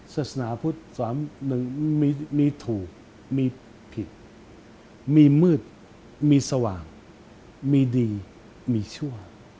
ศาสนาพุทธสามหนึ่งมีถูกมีผิดมีมืดมีสว่างมีดีมีชั่ว